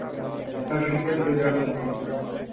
کا شکر بجا لانے